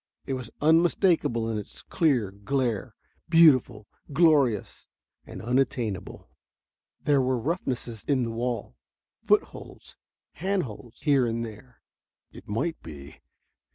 It was unmistakable in its clear glare, beautiful, glorious and unattainable. There were roughnesses in the wall, footholds, handholds here and there. "It might be